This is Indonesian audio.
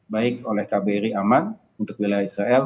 baik oleh kbri aman untuk wilayah israel